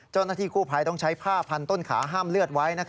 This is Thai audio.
เจ้าหน้าที่กู้ภัยต้องใช้ผ้าพันต้นขาห้ามเลือดไว้